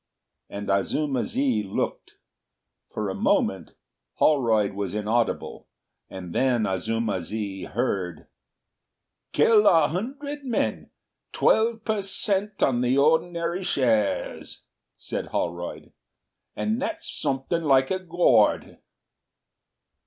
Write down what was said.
And Azuma zi looked. For a moment Holroyd was inaudible, and then Azuma zi heard: "Kill a hundred men. Twelve per cent. on the ordinary shares," said Holroyd, "and that's something like a Gord!"